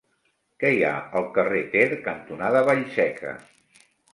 Què hi ha al carrer Ter cantonada Vallseca?